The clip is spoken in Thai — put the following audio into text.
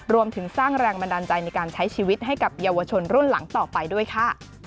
รวมถึงสร้างแรงบันดาลใจในการใช้ชีวิตให้กับเยาวชนรุ่นหลังต่อไปด้วยค่ะ